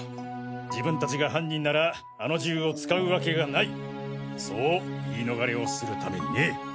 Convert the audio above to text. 自分たちが犯人ならあの銃を使うわけがないそう言い逃れをするためにね。